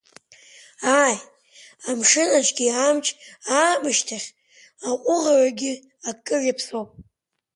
Ааи, амшын аҿгьы амч аамышьҭахь аҟәыӷарагьы акыр иаԥсоуп.